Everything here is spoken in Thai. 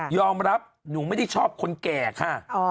รับหนูไม่ได้ชอบคนแก่ค่ะ